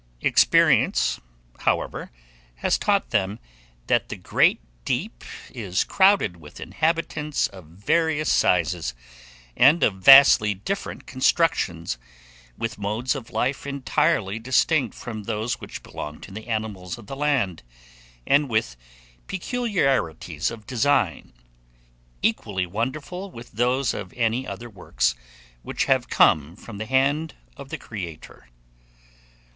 Experience, however, has taught them, that the "great deep" is crowded with inhabitants of various sizes, and of vastly different constructions, with modes of life entirely distinct from those which belong to the animals of the land, and with peculiarities of design, equally wonderful with those of any other works which have come from the hand of the Creator.